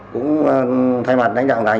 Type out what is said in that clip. chứ cháu cũng che mắt người ta mới che mắt